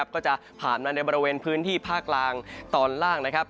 ก็จะผ่านมาในบริเวณพื้นที่ภาคล่างตอนล่างนะครับ